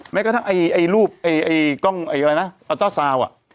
แม้กระทั่งไอ้รูปไอ้กล้องไอ้อะไรนะเจ้าซาว่ะ